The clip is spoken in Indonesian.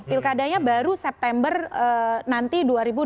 pilkadanya baru september nanti dua ribu dua puluh